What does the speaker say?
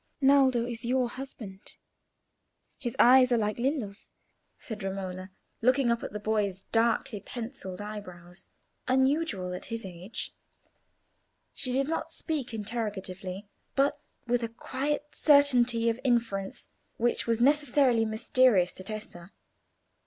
"Naldo is your husband. His eyes are like Lillo's," said Romola, looking at the boy's darkly pencilled eyebrows, unusual at his age. She did not speak interrogatively, but with a quiet certainty of inference which was necessarily mysterious to Tessa.